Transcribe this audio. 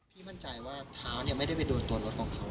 พี่มั่นใจว่าขาวเนี่ยไม่ได้ไปโดนตัวรถของเขา